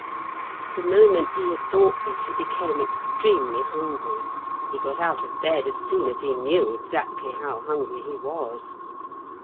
The moment he had thought this he became extremely hungry. He got out of bed as soon as he knew exactly how hungry he was.